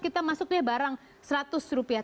kita masuknya barang seratus rupiah